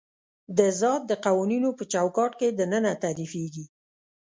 د ذات د قوانینو په چوکاټ کې دننه تعریفېږي.